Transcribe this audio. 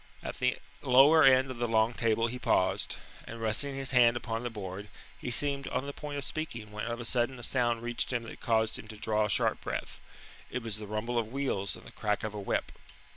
At the lower end of the long table he paused, and resting his hand upon the board, he seemed on the point of speaking when of a sudden a sound reached him that caused him to draw a sharp breath; it was the rumble of wheels and the crack of a whip.